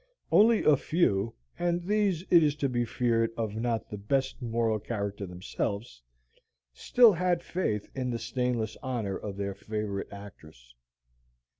Only a few, and these it is to be feared of not the best moral character themselves, still had faith in the stainless honor of their favorite actress.